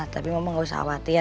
tapi mama gak usah khawatir